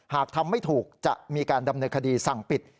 หากทำไม่ถูกจะมีการดำเนินคดีสั่งปิด